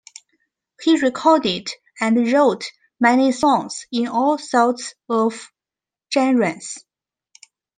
He recorded and wrote many songs in all sorts of genres.